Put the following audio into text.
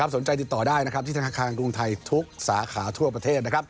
สนใจติดต่อได้ที่ธนาคารกรุงไทยทุกสาขาทั่วประเทศ